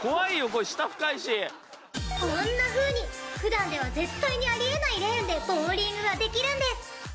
こんなふうに普段では絶対にあり得ないレーンでボウリングができるんです。